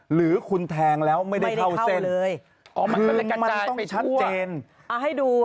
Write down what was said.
หรือคุณแทงแล้วไม่ได้เข้าเส้นคือมันต้องชัดเจนไม่ได้เข้าเลย